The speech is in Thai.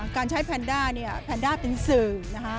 การใช้แพนด้าแพนด้าเป็นสื่อ